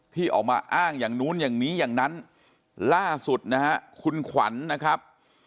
ที่ออกมาอ้างอย่างนู้นอย่างนี้อย่างนั้นล่าสุดนะฮะคุณขวัญนะครับ